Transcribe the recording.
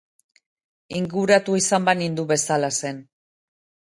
Inguratu izan banindu bezala zen.